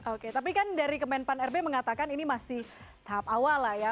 oke tapi kan dari kemenpan rb mengatakan ini masih tahap awal lah ya